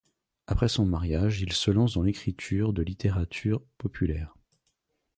Après son mariage, il se lance dans l'écriture de littérature populaire.